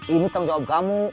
ini tanggung jawab kamu